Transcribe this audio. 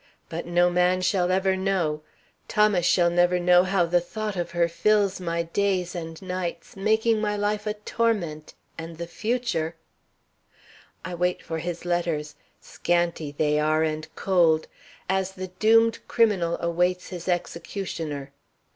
But no man shall ever know. Thomas shall never know how the thought of her fills my days and nights, making my life a torment and the future "I wait for his letters (scanty they are and cold) as the doomed criminal awaits his executioner.